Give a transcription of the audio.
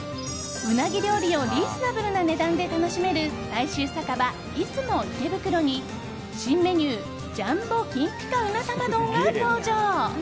ウナギ料理をリーズナブルな値段で楽しめる大衆酒場いづも池袋に新メニュージャンボ金ピカ鰻玉丼が登場。